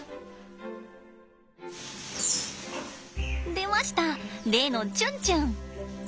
出ました例のちゅんちゅん。